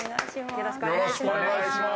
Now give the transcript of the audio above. よろしくお願いします。